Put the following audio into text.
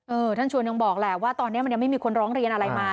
ท่านชวนยังบอกแหละว่าตอนนี้มันยังไม่มีคนร้องเรียนอะไรมา